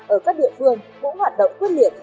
ở các địa phương cũng hoạt động quyết liệt